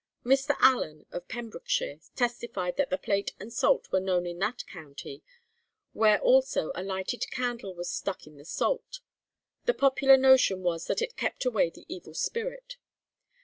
Mr. Allen, of Pembrokeshire, testified that the plate and salt were known in that county, where also a lighted candle was stuck in the salt; the popular notion was that it kept away the evil spirit.